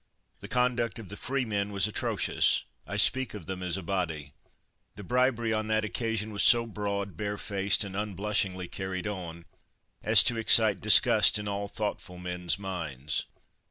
The conduct of the freemen was atrocious. I speak of them as a body. The bribery on that occasion was so broad, barefaced, and unblushingly carried on, as to excite disgust in all thoughtful men's minds.